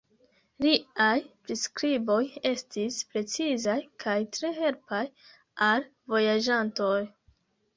Liaj priskriboj estis precizaj kaj tre helpaj al vojaĝantoj.